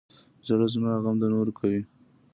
زړه زما غم د نورو کوي.